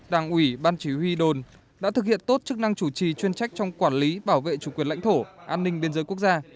đảng ủy ban chỉ huy đồn đã thực hiện tốt chức năng chủ trì chuyên trách trong quản lý bảo vệ chủ quyền lãnh thổ an ninh biên giới quốc gia